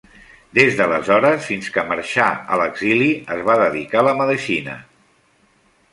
Des d'aleshores fins que marxà a l'exili es va dedicar a la medicina.